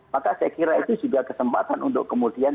maka saya kira itu juga kesempatan untuk kemudian